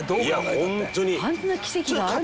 「あんな奇跡があるのか」